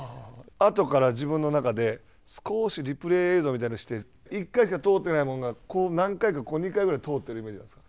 あとから自分の中で、少しリプレイ映像みたいにして、１回で通っていないものが、何回か、２回ぐらい通っているイメージなんですか。